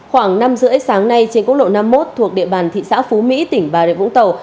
khoảng năm h ba mươi sáng nay trên quốc lộ năm mươi một thuộc địa bàn thị xã phú mỹ tỉnh bà rịa vũng tàu